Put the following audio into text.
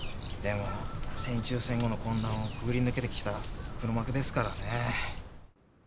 でも戦中戦後の混乱をくぐり抜けてきた黒幕ですからね。